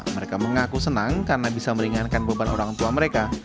mereka mengaku senang karena bisa meringankan beban orang tua mereka